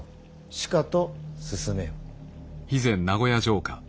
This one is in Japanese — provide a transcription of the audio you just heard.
しかと進めよ。